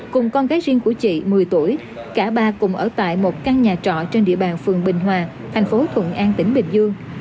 cùng con gái riêng của chị một mươi tuổi cả ba cùng ở tại một căn nhà trọ trên địa bàn phường bình hòa thành phố thuận an tỉnh bình dương